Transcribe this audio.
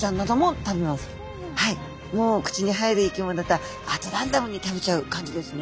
もう口に入る生き物だったらアットランダムに食べちゃう感じですね。